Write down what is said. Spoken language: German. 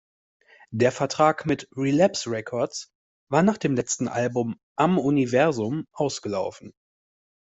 Der Vertrag mit Relapse Records war nach dem letzten Album "Am Universum" ausgelaufen.